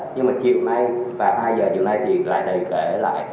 nhưng mà chiều mai và hai giờ chiều nay thì lại đầy kể lại